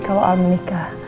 kalau al menikah